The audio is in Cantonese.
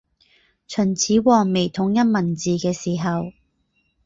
秦始皇未統一文字嘅時候